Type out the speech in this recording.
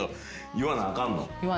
言わなあかん。